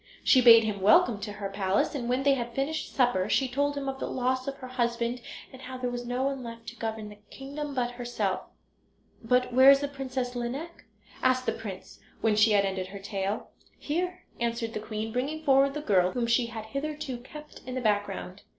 She bade him welcome to her palace, and when they had finished supper she told him of the loss of her husband, and how there was no one left to govern the kingdom but herself. "But where is the Princess Lineik?" asked the prince when she had ended her tale. "Here," answered the queen, bringing forward the girl, whom she had hitherto kept in the background.